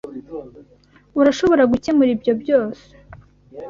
Urashobora gukemura ibyo byose?